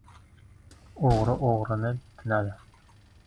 • O‘g‘ri o‘g‘rini tunadi.